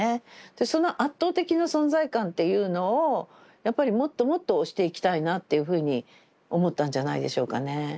その圧倒的な存在感っていうのをやっぱりもっともっと押していきたいなっていうふうに思ったんじゃないでしょうかね。